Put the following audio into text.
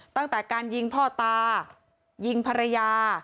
ตั้งแต่การยิงพ่อตายิงภรรยา